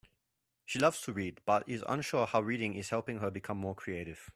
She loves to read, but is unsure how reading is helping her become more creative.